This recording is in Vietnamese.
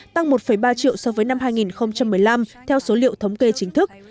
tăng một ba triệu so với năm hai nghìn một mươi năm theo số liệu thống kê chính thức